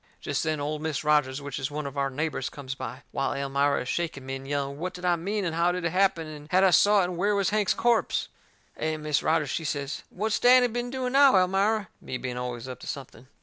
Jest then Old Mis' Rogers, which is one of our neighbours, comes by, while Elmira is shaking me and yelling out what did I mean and how did it happen and had I saw it and where was Hank's corpse? And Mis' Rogers she says, "What's Danny been doing now, Elmira?" me being always up to something.